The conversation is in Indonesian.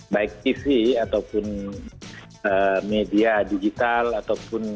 baik tv ataupun media digital ataupun